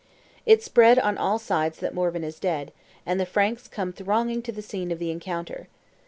It spreads on all sides that Morvan is dead; and the Franks come thronging to the scene of the encounter.